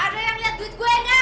ada yang liat duit gue enggak